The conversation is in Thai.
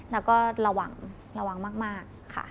แล้วก็ระวังระวังมากค่ะ